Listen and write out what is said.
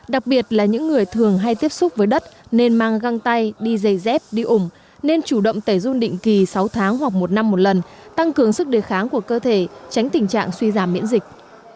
đặc biệt là những người thường hay tiếp xúc với đất nên mang găng tay đi dây dép đi ủng nên chủ động tẩy dung định kỳ sáu tháng hoặc một năm một lần tăng cường sức đề kháng của cơ thể tránh tình trạng suy giảm miễn dịch